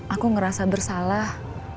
aku ngerasa bersalah